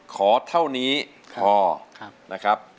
ขอเท่านี้พอนะครับ